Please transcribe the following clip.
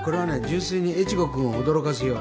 純粋に越後君を驚かす用。